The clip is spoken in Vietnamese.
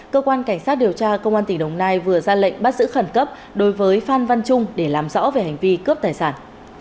cơ quan cảnh sát điều tra công an tỉnh đồng nai vừa ra lệnh bắt giữ khẩn cấp đối với phan văn trung để làm rõ về hành vi cướp tài sản